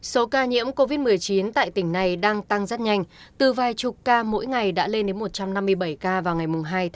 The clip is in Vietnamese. số ca nhiễm covid một mươi chín tại tỉnh này đang tăng rất nhanh từ vài chục ca mỗi ngày đã lên đến một trăm năm mươi bảy ca vào ngày hai mươi